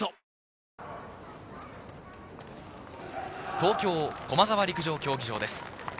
東京・駒沢陸上競技場です。